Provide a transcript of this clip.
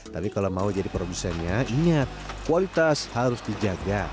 tapi kalau mau jadi produsennya ingat kualitas harus dijaga